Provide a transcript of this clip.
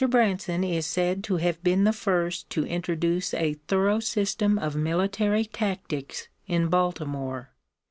Branson is said to have been the first to introduce a thorough system of military tactics in Baltimore.